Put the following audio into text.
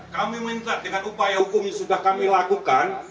kami minta dengan upaya hukum yang sudah kami lakukan